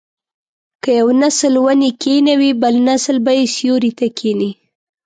که یو نسل ونې کینوي بل نسل به یې سیوري ته کیني.